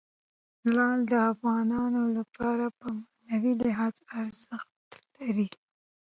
لعل د افغانانو لپاره په معنوي لحاظ ارزښت لري.